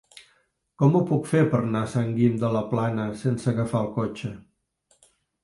Com ho puc fer per anar a Sant Guim de la Plana sense agafar el cotxe?